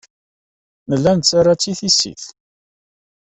Nella nettarra-tt i tissit.